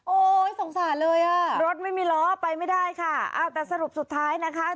สงสารเลยอ่ะรถไม่มีล้อไปไม่ได้ค่ะเอาแต่สรุปสุดท้ายนะคะ